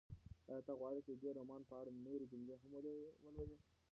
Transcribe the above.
ایا ته غواړې چې د دې رومان په اړه نورې جملې هم ولولې؟